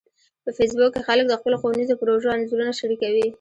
په فېسبوک کې خلک د خپلو ښوونیزو پروژو انځورونه شریکوي